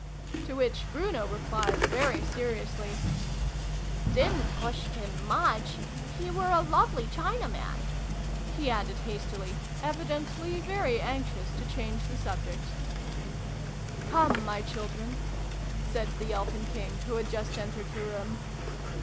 " To which Bruno replied, very seriously, " Didn't pushed him muck he were a lovely china man," he added hastily, evidently very anxious to change the subject. " Come, my children !" said the Elfin King, who had just entered the room.